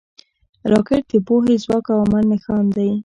راکټ د پوهې، ځواک او عمل نښان دی